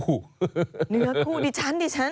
เนื้อคู่ดิฉันดิฉัน